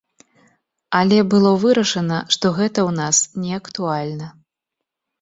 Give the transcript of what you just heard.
Але было вырашана, што гэта ў нас неактуальна.